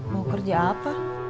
mau kerja apa